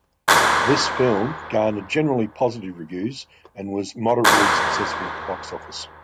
This film garnered generally positive reviews and was moderately successful at the box office.